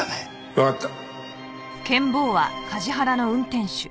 わかった。